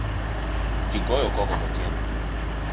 Jii goyo koko gotieno